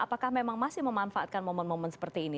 apakah memang masih memanfaatkan momen momen seperti ini